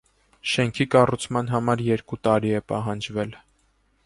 Շենքի կառուցման համար երկու տարի է պահանջվել։